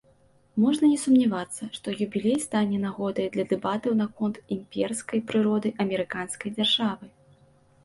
Можна не сумнявацца, што юбілей стане нагодай для дэбатаў наконт імперскай прыроды амерыканскай дзяржавы.